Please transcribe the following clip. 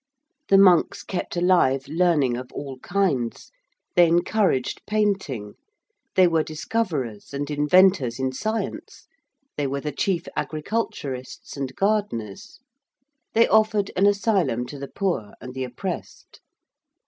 The monks kept alive learning of all kinds: they encouraged painting: they were discoverers and inventors in science: they were the chief agriculturists and gardeners: they offered an asylum to the poor and the oppressed.